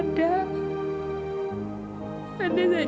tetap saja pasatria